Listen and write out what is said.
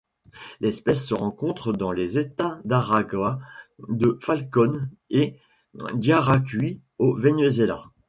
L'espèce se rencontre dans les États d'Aragua, de Falcón et d'Yaracuy au Venezuela.